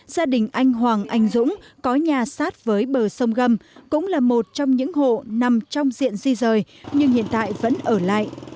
gia đình anh hoàng anh dũng có nhà sát với bờ sông gâm cũng là một trong những hộ nằm trong diện di rời nhưng hiện tại vẫn ở lại